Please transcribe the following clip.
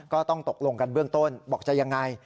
ก็ต้องตกลงกันเบื้องต้นบอกจะยังไง